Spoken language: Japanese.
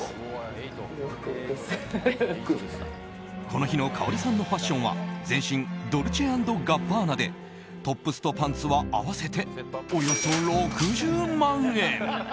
この日のかおりさんのファッションは全身ドルチェ＆ガッバーナでトップスとパンツは合わせておよそ６０万円。